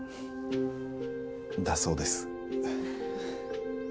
だそうです。